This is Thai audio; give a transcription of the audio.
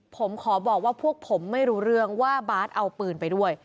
ผมขอบอกว่าพวกผมไม่รู้เรื่องว่าบาสเอาปืนไปด้วย